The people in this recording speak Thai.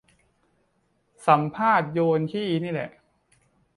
สัมภาษณ์โยนขี้นี่แหละ